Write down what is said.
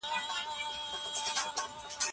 لویدیځوالو د اورګاډي پټلۍ جوړه کړه.